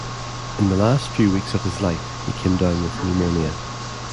In the last few weeks of his life, he came down with pneumonia.